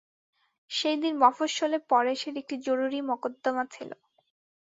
সেইদিন মফস্বলে পরেশের একটি জরুরি মকদ্দমা ছিল।